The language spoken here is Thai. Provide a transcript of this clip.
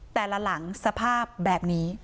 แต่ละหลังสภาพแบบนี้